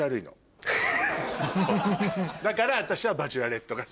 だから私は。